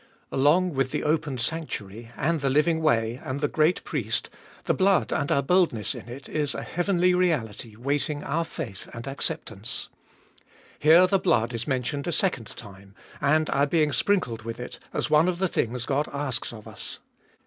Along with the opened sanctuary, and the living way, and the great Priest, the blood and our boldness in it is a heavenly reality waiting our faith and acceptance. Here the blood is mentioned a second time, and our being sprinkled with it as one of the things God asks of us.